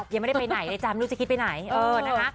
ยังไม่ได้ไปไหนเลยจำไม่รู้จะคิดไปไหนเออนะคะ